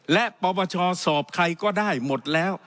และปปชสอบใครก็ได้หมดแล้ว